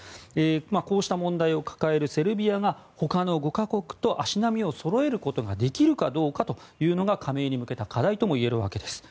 こうした問題を抱えるセルビアが他の５か国と足並みをそろえられるかが加盟に向けた課題ともいえるわけです。